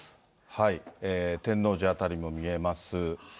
天王寺辺りも見えます。